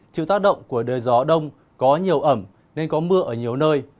chịu tác động của đời gió đông có nhiều ẩm nên có mưa ở nhiều nơi